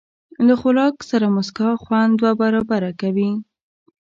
له خوراک سره موسکا، خوند دوه برابره کوي.